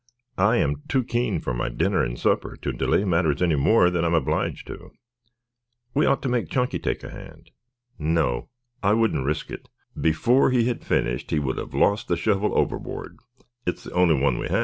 "I am too keen for my dinner and supper to delay matters any more than I am obliged to. We ought to make Chunky take a hand." "No, I wouldn't risk it. Before he had finished he would have lost the shovel overboard. It is the only one we have. Here goes!"